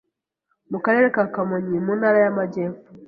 mu karere ka Kamonyi mu ntara y'Amajyepfo,